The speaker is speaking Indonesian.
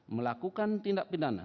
melakukan tindak pidana